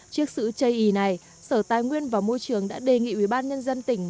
trước sự chây ý này sở tài nguyên và môi trường đã đề nghị ủy ban nhân dân tỉnh